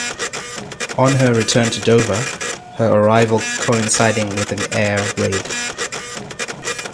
On her return to Dover, her arrival coinciding with an air raid.